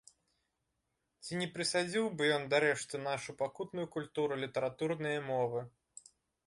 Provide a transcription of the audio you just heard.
Ці не прысадзіў бы ён дарэшты нашу пакутную культуру літаратурнае мовы?